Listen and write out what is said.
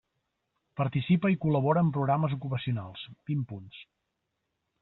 Participa i col·labora en programes ocupacionals, vint punts.